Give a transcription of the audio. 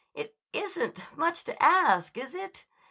It isn't much to ask, is it?